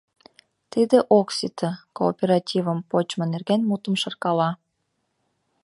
Тиде ок сите — кооперативым почмо нерген мутым шаркала.